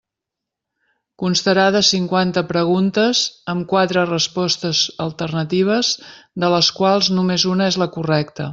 Constarà de cinquanta preguntes amb quatre respostes alternatives de les quals només una és la correcta.